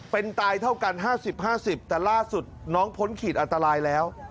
เป็นตายเท่ากัน๕๐๕๐แต่ล่าสุดน้องพ้นขีดอันตรายแล้ว